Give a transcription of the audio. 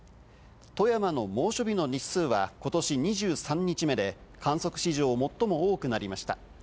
富山の猛暑日の日数はことし２３日目で、観測史上最も多くなりました。